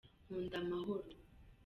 nkunda amahoro.